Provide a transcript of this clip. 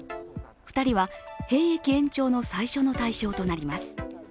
２人は、兵役延長の最初の対象となす。